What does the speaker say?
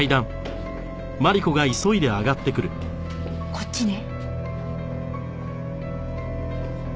こっちね。